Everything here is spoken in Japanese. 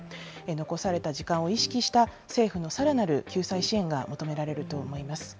残された時間を意識した、政府のさらなる救済支援が求められると思います。